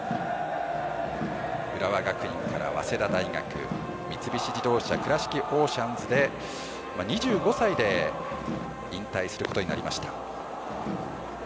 浦和学院から早稲田大学三菱自動車倉敷オーシャンズで２５歳で引退することになりました。